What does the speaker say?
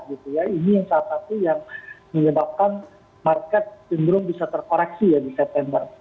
ini yang salah satu yang menyebabkan market cenderung bisa terkoreksi ya di september